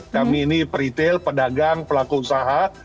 kami ini peritel pedagang pelaku usaha